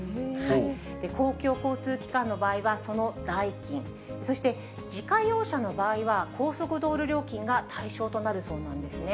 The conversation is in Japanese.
公共交通機関の場合は、その代金、そして自家用車の場合は、高速道路料金が対象となるそうなんですね。